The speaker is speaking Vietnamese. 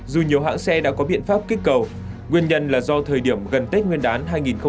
dù nhiều hãng xe đã có biện pháp kích cầu nguyên nhân là do thời điểm gần tết nguyên đán hai nghìn hai mươi